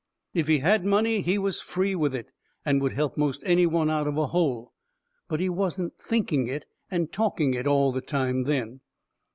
If he had money, he was free with it and would help most any one out of a hole. But he wasn't thinking it and talking it all the time then.